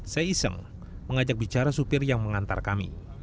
saya iseng mengajak bicara supir yang mengantar kami